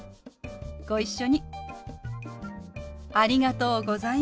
ご一緒に。